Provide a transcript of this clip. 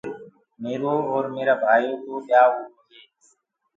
ميرو اور ميرآ ڀآئيو ڪو ٻيائوٚ هُرو هي۔